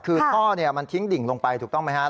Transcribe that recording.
คือท่อมันทิ้งดิ่งลงไปถูกต้องไหมครับ